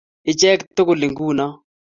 Ichek tugul ngunoo.